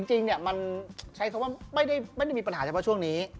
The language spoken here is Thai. จริงมันใช้คำว่าไม่ได้มีปัญหาเฉพาะช่วงนี้